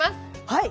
はい！